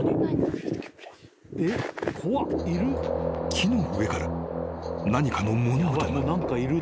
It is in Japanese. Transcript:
・［木の上から何かの物音が］